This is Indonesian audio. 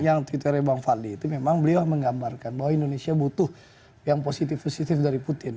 yang twitternya bang fadli itu memang beliau menggambarkan bahwa indonesia butuh yang positif positif dari putin